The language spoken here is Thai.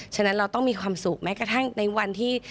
ฉะนั้นเราต้องมีความสุขแม้กระทั่งในวันที่